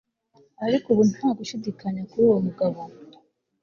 ariko ubu nta gushidikanya kuri uwo mugabo